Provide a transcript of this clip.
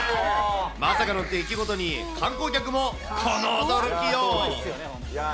まさかの出来事に、観光客もこの驚きよう。